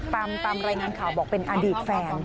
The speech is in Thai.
ตามรายงานข่าวบอกเป็นอดีตแฟน